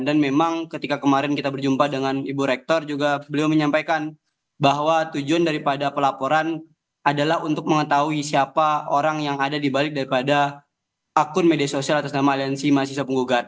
dan memang ketika kemarin kita berjumpa dengan ibu rektor juga beliau menyampaikan bahwa tujuan daripada pelaporan adalah untuk mengetahui siapa orang yang ada dibalik daripada akun media sosial atas nama aliansi mahasiswa penggugat